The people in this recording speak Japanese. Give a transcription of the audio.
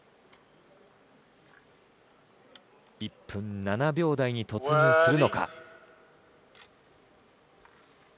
１分７秒台に突入するのか。